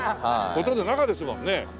ほとんど中ですもんね。